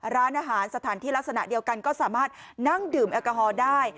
ร้านอาหารสถานที่ลักษณะเดียวกันก็สามารถนั่งดื่มแอลกอฮอล์ได้